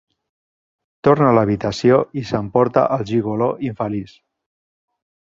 Torna a l'habitació i s'emporta el gigoló infeliç.